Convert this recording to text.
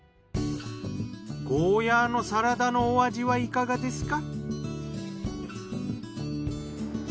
ゴーヤーのサラダのお味はいかがですか？